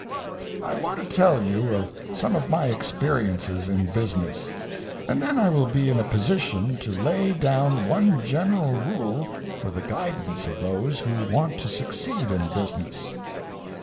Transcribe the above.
I want to tell you of some of my experiences in business, and then I will be in a position to lay down one general rule for the guidance of those who want to succeed in business.